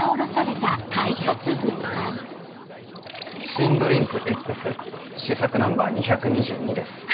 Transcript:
新ドリンクＸ試作ナンバー２２２です。